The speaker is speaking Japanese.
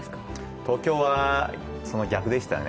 東京は、その逆でしたね。